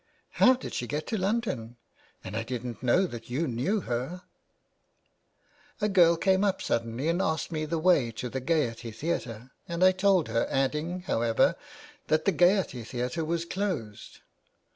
" How did she get to London ? and I didn't know that you knew her." 399 THE WAY BACK. " A girl came up suddenly and asked me the way to the Gaiety Theatre, and I told her, adding, however, that the Gaiety Theatre was closed.